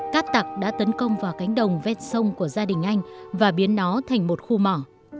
cát tặc đã tấn công vào cánh đồng vét sông của gia đình anh và biến nó thành một khu mỏ